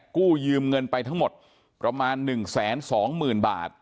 กู้ยืมเงินไปทั้งหมดประมาณ๑แสน๒หมื่นบาท